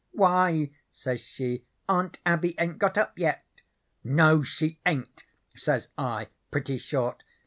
'Why,' says she, 'Aunt Abby ain't got up yet?' "'No, she ain't,' says I, pretty short.